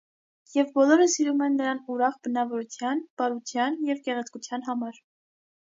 Եվ բոլորը սիրում են նրան ուրախ բնավորության, բարության ու գեղեցկության համար։